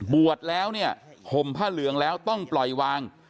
บวชแล้วเนี่ยห่มผ้าเหลืองแล้วต้องปล่อยวาง